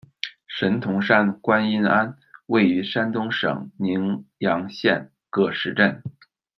神童山观音庵，位于山东省宁阳县葛石镇。